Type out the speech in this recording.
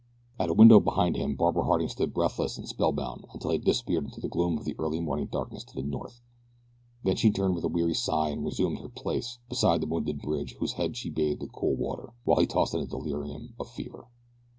At a window behind him Barbara Harding stood breathless and spellbound until he had disappeared into the gloom of the early morning darkness to the north, then she turned with a weary sigh and resumed her place beside the wounded Bridge whose head she bathed with cool water, while he tossed in the delirium of fever.